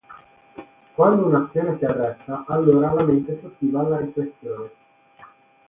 Quando un'azione si arresta allora la mente si attiva alla riflessione.